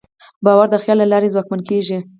باور د خیال له لارې ځواکمن کېږي.